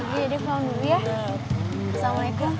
dede pulang dulu ya assalamualaikum